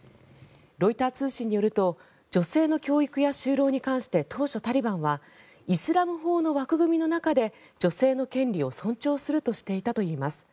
ロイター通信によると女性の教育や就労に関して当初、タリバンはイスラム法の枠組みの中で女性の権利を尊重するとしていたといいます。